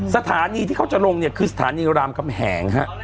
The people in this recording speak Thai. สถานีที่เขาจะลงเนี่ยคือสถานีรามกำแหงฮะ